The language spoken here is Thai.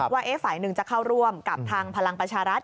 ว่าฝ่ายหนึ่งจะเข้าร่วมกับทางพลังประชารัฐ